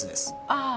ああ